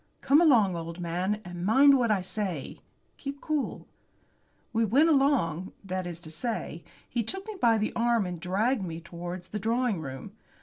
Come along, old man, and mind what I say. Keep cool." We went along that is to say, he took me by the arm and dragged me towards the drawing room.